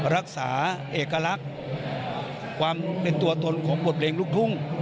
รักษาเอกลักษณ์ความเป็นตัวตนของบทเพลงลูกทุ่ง